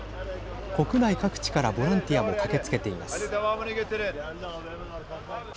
国内各地からボランティアも駆けつけています。